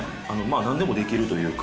なんでもできるというか。